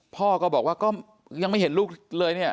พ่อก็บอกว่าก็ยังไม่เห็นลูกเลยเนี่ย